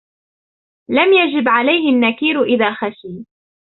لَمْ يَجِبْ عَلَيْهِ النَّكِيرُ إذَا خَشِيَ